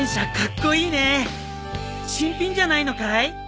新品じゃないのかい？